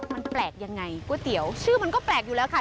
มันแปลกยังไงก๋วยเตี๋ยวชื่อมันก็แปลกอยู่แล้วค่ะ